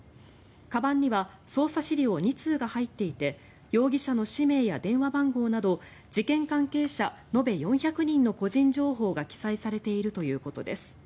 かばんには捜査資料２通が入っていて容疑者の氏名や電話番号など事件関係者延べ４００人の個人情報が記載されているということです。